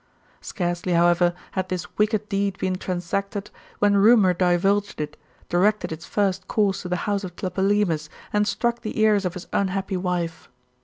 " Scarcely, however, had this wicked deed been transacted, when rumqur divulged it, directed its first course to the house of Tlepolemus, and struck the ears of his unhappy wife.